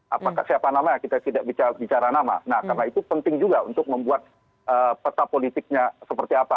apakah siapa namanya kita tidak bicara nama nah karena itu penting juga untuk membuat peta politiknya seperti apa